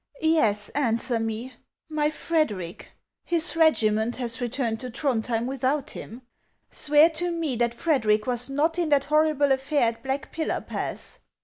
" Yes, answer me ; my Frederic ? His regiment has returned to Throndhjem without him. Swear to me that Frederic was not in that horrible affair at Black Pillar Pass.